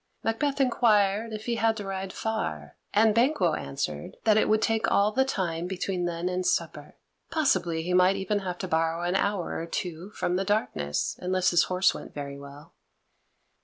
Macbeth inquired if he had to ride far, and Banquo answered that it would take all the time between then and supper possibly he might even have to borrow an hour or two from the darkness, unless his horse went very well.